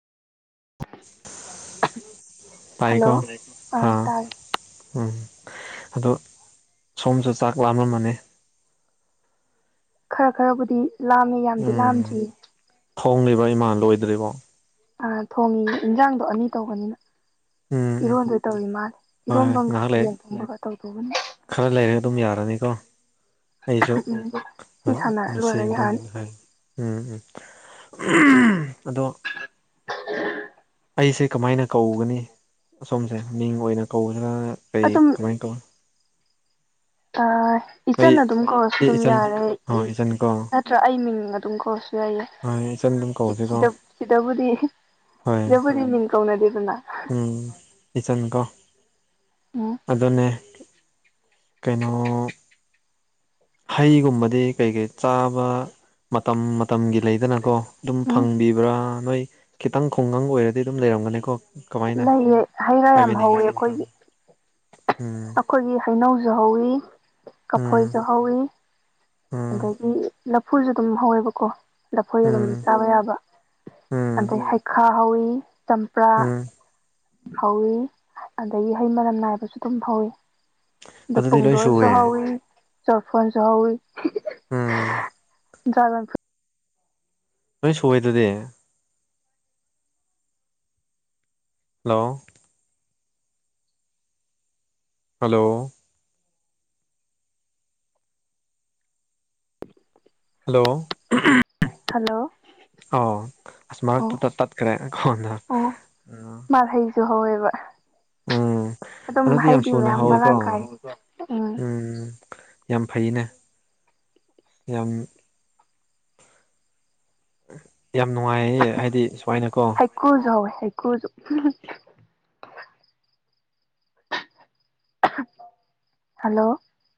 hello ꯇꯥꯏꯀꯣ ꯑꯥ ꯍꯥ ꯇꯥꯏ ꯎꯝ ꯑꯗꯨ ꯁꯣꯝꯁꯨ ꯆꯥꯛ ꯂꯥꯝꯃꯝꯃꯅꯤ ꯈꯔ ꯈꯔꯕꯨꯗꯤ ꯂꯥꯝꯃꯤ ꯌꯥꯝꯗꯤ ꯂꯥꯝꯗ꯭ꯔꯤꯌꯦ ꯍꯣꯡꯂꯤꯕ ꯏꯃꯥꯟ ꯂꯣꯏꯗ꯭ꯔꯤꯕꯣ ꯑ ꯊꯣꯡꯉꯤ ꯏꯟꯖꯥꯡꯗꯣ ꯑꯅꯤ ꯇꯧꯕꯅꯤꯅ ꯎꯝ ꯎꯝ ꯏꯔꯣꯟꯗꯣꯏ ꯇꯧꯤ ꯃꯥꯂꯦ ꯍꯣꯏ ꯏꯔꯣꯐꯝꯒ ꯉꯥꯏꯍꯥꯛ ꯂꯩ ꯌꯦꯟꯐꯝꯣꯡꯗꯨꯒ ꯇꯧꯗꯣꯛꯒꯅꯤ ꯈꯔ ꯂꯩꯔꯦ ꯑꯗꯨꯝ ꯌꯥꯔꯅꯤꯀꯣ ꯑꯩꯁꯨ ꯎꯝ ꯁꯤ ꯁꯥꯟꯅꯔ ꯂꯣꯏꯔ ꯌꯥꯔꯅꯤ ꯃꯁꯤꯗꯧꯗꯅ ꯍꯥꯏ ꯎꯝ ꯎꯝ ꯑꯗꯣ ꯑꯩꯁꯦ ꯀꯃꯥꯏꯅ ꯀꯧꯒꯅꯤ ꯑꯁꯣꯝꯁꯦ ꯃꯤꯡ ꯑꯣꯏꯅ ꯀꯧꯔꯒ ꯀꯩ ꯑꯗꯨꯝ ꯀꯃꯥꯏꯅ ꯀꯧꯅꯤ ꯑ ꯑꯩ ꯏꯆꯟꯅ ꯑꯗꯨꯝ ꯀꯧꯔꯁꯨ ꯑꯦ ꯑꯗꯨꯝ ꯏꯆꯟ ꯌꯥꯔꯦ ꯍꯣꯏ ꯏꯆꯟ ꯀꯣ ꯅꯠꯇ꯭ꯔ ꯑꯩ ꯃꯤꯡ ꯑꯗꯨꯝ ꯀꯧꯔꯁꯨ ꯌꯥꯏꯌꯦ ꯍꯣꯏ ꯏꯆꯟ ꯑꯗꯨꯝ ꯀꯧꯁꯤꯀꯣ ꯁꯤꯗꯕꯔꯤ ꯍꯣꯏ ꯁꯤꯗꯕꯔꯤ ꯃꯤꯡ ꯀꯥꯎꯅ ꯗꯦꯔꯅꯥ ꯎꯝ ꯏꯆꯟ ꯀꯣ ꯎꯝ ꯑꯗꯨꯅꯦ ꯀꯩꯅꯣ ꯍꯩꯒꯨꯝꯕꯗꯤ ꯀꯩ ꯀꯩ ꯆꯥꯕ ꯃꯇꯝ ꯃꯇꯝꯒꯤ ꯂꯩꯗꯅꯀꯣ ꯑꯗꯨꯝ ꯎꯝ ꯐꯪꯕꯤꯕ꯭ꯔꯥ ꯅꯣꯏ ꯈꯤꯇꯪ ꯈꯨꯡꯒꯪ ꯑꯣꯏꯔꯗꯤ ꯑꯗꯨꯝ ꯂꯩꯔꯝꯒꯅꯤꯀꯣ ꯀꯃꯥꯏꯅ ꯂꯩꯌꯦ ꯍꯩ ꯔꯥ ꯌꯥꯝ ꯍꯧꯋꯦ ꯍꯥꯏꯕꯤꯅꯤꯡꯉꯤꯁꯤ ꯑꯩꯈꯣꯏꯒꯤ ꯃꯇꯥꯡꯗ ꯎꯝ ꯑꯩꯈꯣꯏꯒꯤ ꯍꯩꯅꯧꯁꯨ ꯍꯧꯏ ꯎꯝ ꯀꯐꯣꯏꯁꯨ ꯍꯧꯏ ꯎꯝ ꯑꯗꯒꯤ ꯂꯐꯨꯁꯨ ꯑꯗꯨꯝ ꯍꯧꯋꯦꯕꯀꯣ ꯂꯐꯣꯏ ꯑꯗꯨꯝ ꯎꯝ ꯆꯥꯕ ꯌꯥꯕ ꯎꯝ ꯑꯗꯩ ꯍꯩꯈꯥ ꯍꯧꯋꯤ ꯆꯝꯄ꯭ꯔꯥ ꯎꯝ ꯐꯧꯏ ꯑꯗꯒꯤ ꯍꯩ ꯃꯔꯝ ꯅꯥꯏꯕꯁꯨ ꯑꯗꯨꯝ ꯐꯧꯏ ꯑ ꯑꯗꯨꯗꯤ ꯂꯣꯏ ꯄꯨꯡꯗꯣꯟꯁꯨ ꯁꯨꯋꯦ ꯍꯥꯎꯋꯤ ꯆꯥꯎꯐꯜꯁꯨ ꯍꯥꯎꯋꯏ ꯎꯝ ꯖꯒ ꯐ ꯅꯣꯏ ꯁꯋꯥꯏꯗꯣꯗꯦ ꯍꯜꯂꯣ ꯍꯜꯂꯣ ꯍꯜꯂꯣ [unintelligible] ꯍꯜꯂꯣ ꯑ ꯑꯁ ꯑꯣ ꯃꯔꯛꯇ ꯇꯠꯈ꯭ꯔꯦ ꯑꯩꯣꯟꯅ ꯁꯨꯨꯍꯧꯕ ꯎꯝ ꯑꯗꯨꯗꯤ ꯌꯥꯝ ꯁꯨꯅ ꯃꯌꯥꯝ ꯍꯥꯎꯋꯤꯀꯣ ꯃꯔꯥꯡ ꯀꯥꯏ ꯎꯝ ꯌꯥꯝ ꯐꯩꯅꯦ ꯌꯥꯝ ꯌꯥꯝ ꯅꯨꯡꯉꯥꯏꯌꯦ ꯍꯥꯏꯗꯤ ꯁꯨꯃꯥꯏꯅꯀꯣ ꯍꯨꯀꯔꯨꯖꯨ ꯍꯩꯋ‌ꯦ ꯍꯩꯀꯔꯨꯖꯨ ꯍꯜꯂꯣ